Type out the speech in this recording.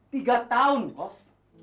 tiga tahun kos